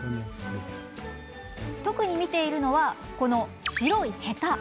特に見ているのは、この白いヘタ。